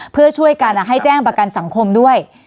เพื่อช่วยกันให้แจ้งประกันสังคมด้วย